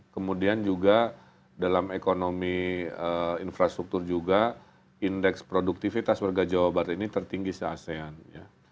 kemudian juga dalam ekonomi infrastruktur juga indeks produktivitas warga jawa barat ini tertinggi se asean ya